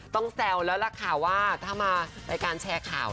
แซวแล้วล่ะค่ะว่าถ้ามารายการแชร์ข่าว